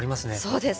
そうです。